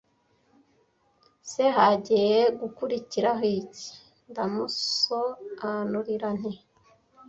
“Uu se hagiye gukurikiraho iki” Ndamusoanurira nti: